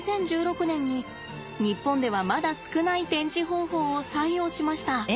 ２０１６年に日本ではまだ少ない展示方法を採用しました。